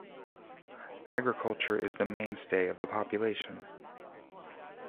Agriculture is the mainstay of the population.